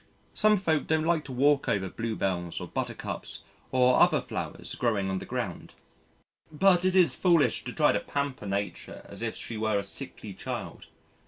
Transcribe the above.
Some folk don't like to walk over Bluebells or Buttercups or other flowers growing on the ground. But it is foolish to try to pamper Nature as if she were a sickly child.